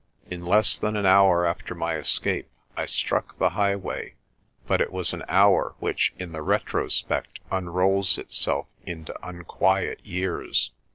In less than an hour after my escape I struck the highway, but it was an hour which in the retrospect unrolls itself into un quiet years.